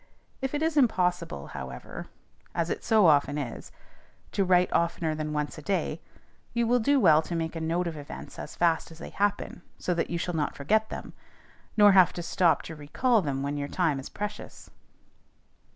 If it is impossible, however, as it so often is, to write oftener than once a day, you will do well to make a note of events as fast as they happen, so that you shall not forget them, nor have to stop to recall them when your time is precious.